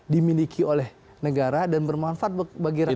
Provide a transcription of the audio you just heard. dimiliki oleh negara dan bermanfaat bagi rakyat